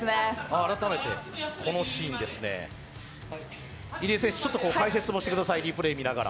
改めてこのシーンですね、入江選手、解説もしてください、リプレー見ながら。